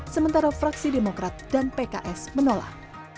sementara fraksi demokrat dan pks menolak